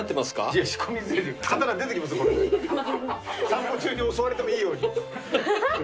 散歩中に襲われてもいいように。